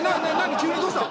急にどうした？